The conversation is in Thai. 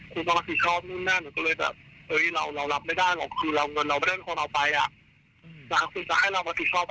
คุณต้องรับผิดชอบนู่นนั่นก็เลยแบบเอ้ยเราเรารับไม่ได้หรอกคุณเราเงินเราไม่ได้ของเราไปอ่ะ